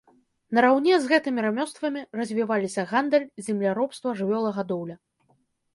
Нараўне з гэтымі рамёствамі развіваліся гандаль, земляробства, жывёлагадоўля.